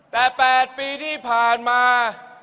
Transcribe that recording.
แต่๘ปีที่ผ่านมา